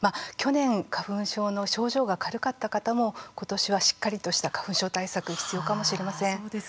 去年花粉症の症状が軽かった方もことしはしっかりとした花粉症対策、必要かもしれません。